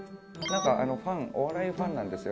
なんか「お笑いファンなんですよ」